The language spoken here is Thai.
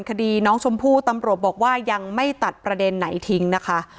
คดีน้องชมพู่ตำรวจบอกว่ายังไม่ตัดประเด็นไหนทิ้งนะคะ